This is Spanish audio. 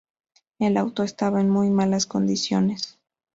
El auto estaba en muy malas condiciones.